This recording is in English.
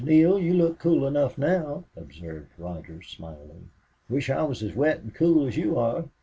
Neale, you look cool enough now," observed Rogers, smiling. "Wish I was as wet and cool as you are.